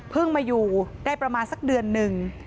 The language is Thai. มาอยู่ได้ประมาณสักเดือนหนึ่ง